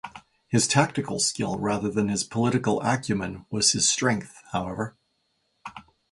His tactical skill rather than his political acumen was his strength however.